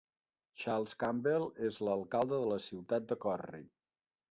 Charles Campbell és l'alcalde de la ciutat de Corry.